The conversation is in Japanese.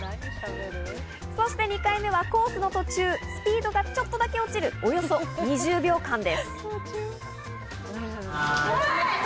そして２回目はコースの途中、スピードがちょっとだけ落ちる、およそ２０秒間です。